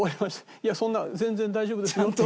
いやそんな全然大丈夫ですよって。